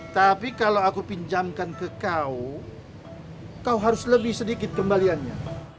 tapi kalau aku pinjamkan ke kau kau harus lebih sedikit kembaliannya